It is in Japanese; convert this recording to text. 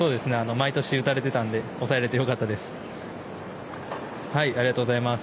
毎年打たれていたので抑えられてよかったです。